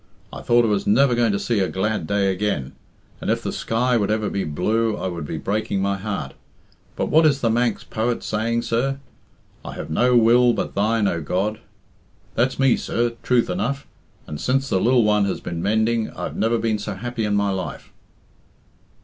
I thought I was never going to see a glad day again, and if the sky would ever be blue I would be breaking my heart. But what is the Manx poet saying, sir? 'I have no will but Thine, O God.' That's me, sir, truth enough, and since the lil one has been mending I've never been so happy in my life."